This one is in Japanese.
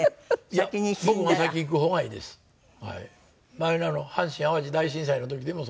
前の阪神・淡路大震災の時でもそう。